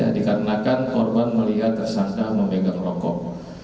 dikarenakan korban melihat tersangka memegang rokok